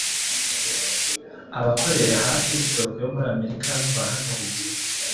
abakoreha TikTok yo muri Amerika bahagaritwe